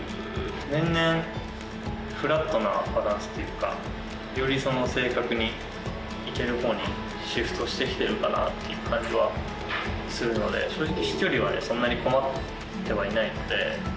年々、フラットなバランスというか、より正確にいけるほうにシフトしてきてるのかなっていう感じはするので、正直、飛距離はそんなに困ってはいないので。